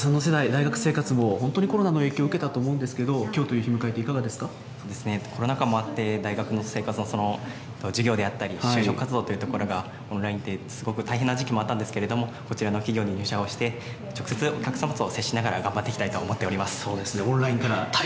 福田さんの世代、大学生活も本当にコロナの影響を受けたと思うんですけれども、きょうという日迎そうですね、コロナ禍もあって、大学の生活の授業であったり、就職活動というところがオンラインですごく大変な時期もあったんですけれども、こちらの企業に入社をして、直接お客様と接しながら頑張っていきたいと思っておりそうですね。